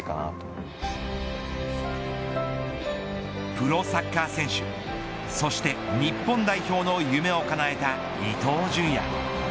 プロサッカー選手そして日本代表の夢をかなえた伊東純也。